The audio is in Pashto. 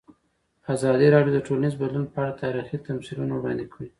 ازادي راډیو د ټولنیز بدلون په اړه تاریخي تمثیلونه وړاندې کړي.